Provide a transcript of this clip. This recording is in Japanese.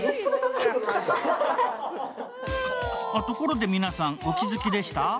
ところで皆さん、お気づきでした？